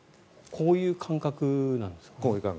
こういう感覚なんです。